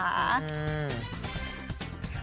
อืม